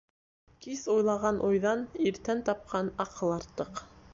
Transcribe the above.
Кис уйлаған уйҙан иртән тапҡан аҡыл артыҡ.